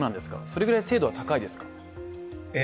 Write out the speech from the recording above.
それぐらい精度は高いですか？